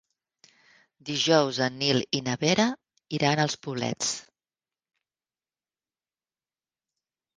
Dijous en Nil i na Vera iran als Poblets.